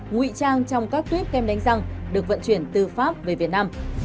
ngụy trang trong các tuyếp kem đánh răng được vận chuyển từ pháp về việt nam